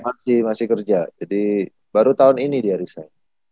masih masih kerja jadi baru tahun ini dia riset